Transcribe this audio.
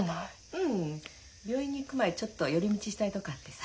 うん病院に行く前ちょっと寄り道したいとこあってさ。